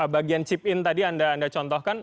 bagian chip in tadi anda contohkan